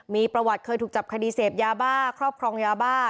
มีประวัติเคยถูกจับคดีเสพยาบ้าครอบครองยาบ้า